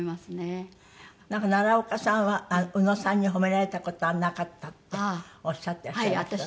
なんか奈良岡さんは宇野さんに褒められた事はなかったっておっしゃってらっしゃいましたね。はい。